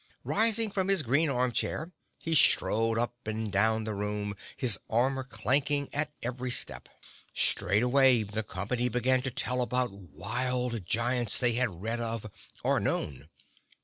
Rising from his green arm chair, he strode up and down the room, his armor clanking at every step. Straightway the company began to tell about wild giants they had read of or known.